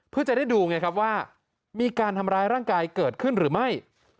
เพื่อจะได้ดูไงครับว่ามีการทำร้ายร่างกายเกิดขึ้นหรือไม่